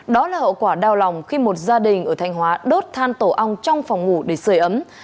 đó là hậu quả đau lòng khi một gia đình ở thanh hóa đốt than tổ ong trong phòng ngủ để sửa ấm